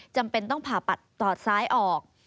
จำเป็นต้องผ่าตัดตอดซ้ายออก